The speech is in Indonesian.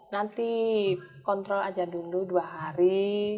nanti kontrol aja dulu dua hari